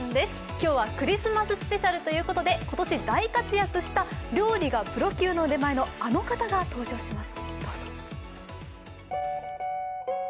今日はクリスマススペシャルということで今年大活躍した料理がプロ級の腕前のあの方が登場します。